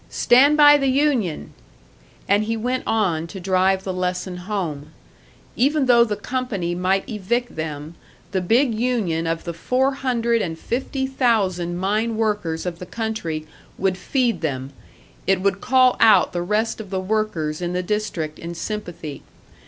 Stand by the union!" And he went on to drive the lesson home; even though the company might evict them, the big union of the four hundred and fifty thousand mine workers of the country would feed them, it would call out the rest of the workers in the district in sympathy.